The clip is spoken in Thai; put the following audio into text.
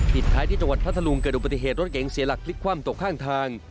ท้ายที่จังหวัดพัทธลุงเกิดอุบัติเหตุรถเก๋งเสียหลักพลิกคว่ำตกข้างทาง